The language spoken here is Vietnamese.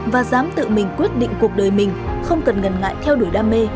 và dám tự mình quyết định cuộc đời mình không cần ngần ngại theo đuổi đam mê